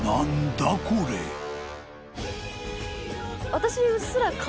私。